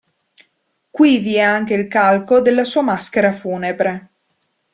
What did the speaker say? Qui vi è anche il calco della sua maschera funebre.